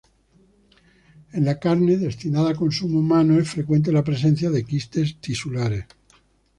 En la carne destinada a consumo humano es frecuente la presencia de quistes tisulares.